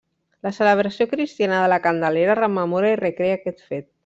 La celebració cristiana de la Candelera rememora i recrea aquest fet.